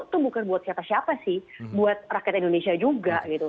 itu bukan buat siapa siapa sih buat rakyat indonesia juga gitu